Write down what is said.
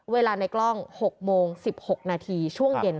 ในกล้อง๖โมง๑๖นาทีช่วงเย็น